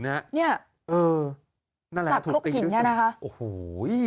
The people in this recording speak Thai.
สากลบหิน